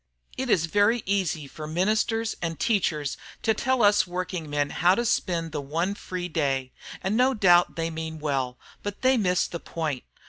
It is very easy for ministers and teachers to tell us working men how to spend the one free day, and no doubt they mean well, but they miss the point.